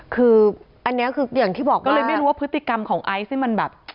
คืออันนี้คืออย่างที่บอกก็เลยไม่รู้ว่าพฤติกรรมของไอซ์นี่มันแบบ